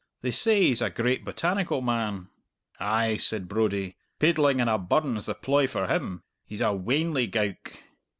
They say he's a great botanical man." "Ay," said Brodie, "paidling in a burn's the ploy for him. He's a weanly gowk."